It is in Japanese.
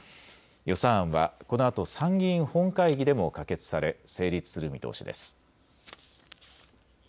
予算案はこのあと参議院本会議でも可決され成立する見通しです。